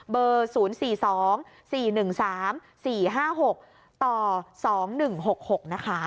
เบอร์๐๔๒๔๑๓๔๕๖ต่อ๒๑๖๖นะคะ